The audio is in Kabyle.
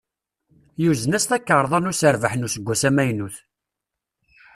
Yuzen-as takarḍa n userbeḥ n useggas amaynut.